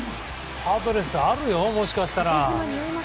パドレスあるよ、もしかしたら。